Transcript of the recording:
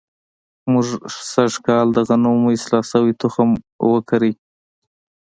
موږ سږ کال د غنمو اصلاح شوی تخم وکرلو.